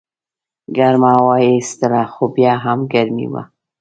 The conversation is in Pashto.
ګرمه هوا یې ایستله خو بیا هم ګرمي وه.